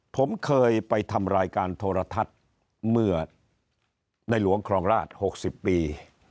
ผมเคยไปทำรายการโทรทัศน์เมื่อในหลวงครองราช๖๐ปี